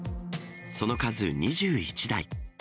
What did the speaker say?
その数２１台。